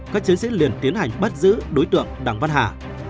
các chiến sĩ liền tiến hành bắt giữ đối tượng đặng văn hà